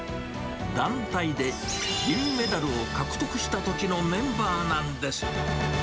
団体で銀メダルを獲得したときのメンバーなんです。